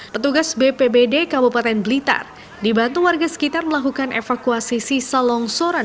petugas bpbd kabupaten blitar dibantu warga sekitar melakukan evakuasi sisa longsoran